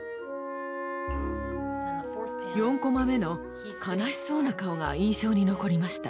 ４コマ目の悲しそうな顔が印象に残りました。